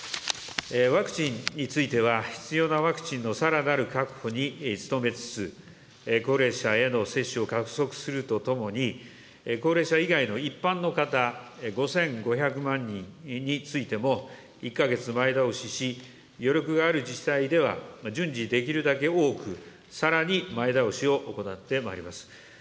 ワクチンについては、必要なワクチンのさらなる確保に努めつつ、高齢者への接種を加速するとともに、高齢者以外の一般の方、５５００万人についても、１か月前倒しし、余力がある自治体では、順次、できるだけ多く、さらに前倒しを行ってまいります。